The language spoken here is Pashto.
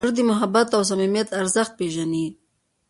زړه د محبت او صمیمیت ارزښت پېژني.